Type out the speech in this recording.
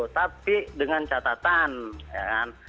tapi dengan catatan